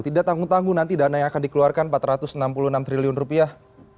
tidak tanggung tanggung nanti dana yang akan dikeluarkan empat ratus enam puluh enam triliun rupiah